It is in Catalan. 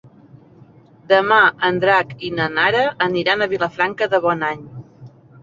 Demà en Drac i na Nara aniran a Vilafranca de Bonany.